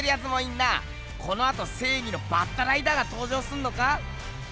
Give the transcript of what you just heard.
このあとせいぎのバッタライダーがとうじょうすんのか？